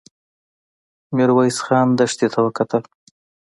ميرويس خان دښتې ته وکتل.